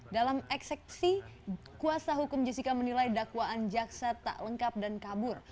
dalam eksepsi kuasa hukum jessica menilai dakwaan jaksa tak lengkap dan kabur